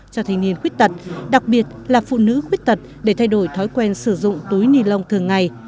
cho thanh niên khuyết tật đặc biệt là phụ nữ khuyết tật để thay đổi thói quen sử dụng túi ni lông thường ngày